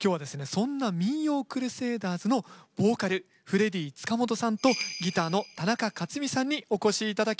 そんな民謡クルセイダーズのボーカルフレディ塚本さんとギターの田中克海さんにお越し頂きました。